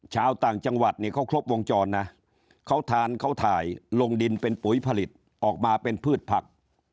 ชาวต่างจังหวัดเนี่ยเขาครบวงจรนะเขาทานเขาถ่ายลงดินเป็นปุ๋ยผลิตออกมาเป็นพืชผัก